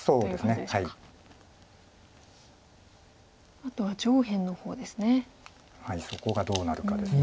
あとは上辺の方ですね。